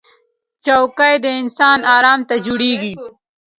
چوکۍ د انسان ارام ته جوړېږي